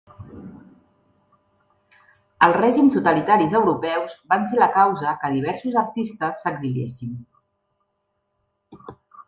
Els règims totalitaris europeus van ser la causa que diversos artistes s'exiliessin.